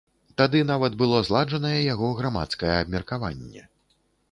Тады нават было зладжанае яго грамадскае абмеркаванне.